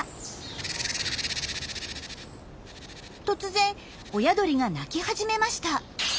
突然親鳥が鳴き始めました。